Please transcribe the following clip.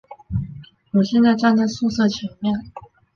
我现在站在宿舍前面